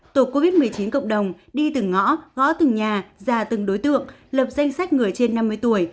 tổ covid một mươi chín cộng đồng đi từng ngõ gõ từng nhà ra từng đối tượng lập danh sách người trên năm mươi tuổi